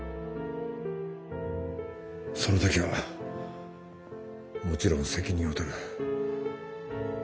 その時はもちろん責任を取る。